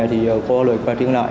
thì có lời qua tiếng lại